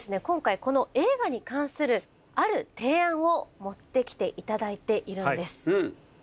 今回この映画に関するある提案を持ってきていただいているんです。